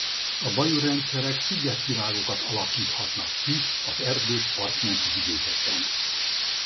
A bayou-rendszerek szigetvilágokat alakíthatnak ki az erdős partmenti vidékeken.